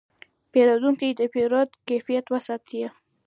پیرودونکی د پیرود کیفیت وستایه.